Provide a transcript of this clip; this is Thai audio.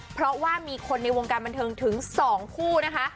เพราะว่ามีคนในวงการบันเทิงถึง๒คู่นะคะ